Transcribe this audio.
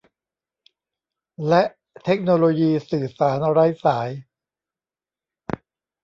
และเทคโนโลยีสื่อสารไร้สาย